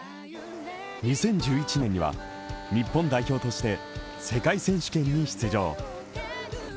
２０１１年には日本代表として世界選手権に出場。